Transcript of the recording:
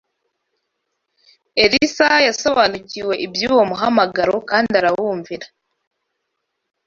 Elisa yasobanukiwe iby’uwo muhamagaro kandi arawumvira